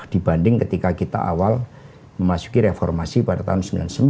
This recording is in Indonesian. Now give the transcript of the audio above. dibanding ketika kita awal memasuki reformasi pada tahun seribu sembilan ratus sembilan puluh sembilan